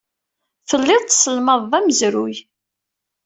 Telliḍ tesselmadeḍ amezruy.